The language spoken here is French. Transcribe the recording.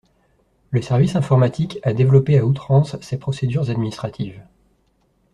Le service informatique a développé à outrance ses procédures administratives.